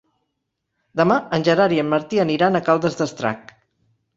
Demà en Gerard i en Martí aniran a Caldes d'Estrac.